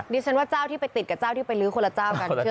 ดิฉันว่าเจ้าที่ไปติดกับเจ้าที่ไปลื้อคนละเจ้ากันเชื่อ